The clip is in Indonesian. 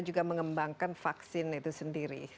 juga mengembangkan vaksin itu sendiri